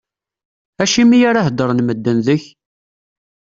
Acimi ara hedren medden deg-k?